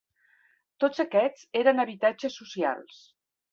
Tots aquests eren habitatges socials.